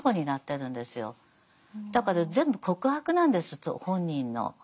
だから全部告白なんです本人の。